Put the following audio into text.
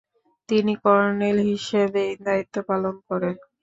তিনি কর্ণেল হিসেবেই দায়িত্ব পালন করেন।